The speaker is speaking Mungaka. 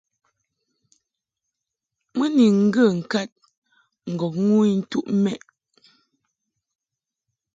Mɨ ni ŋgə ŋkad ŋgɔŋ ŋu intuʼ mɛ›.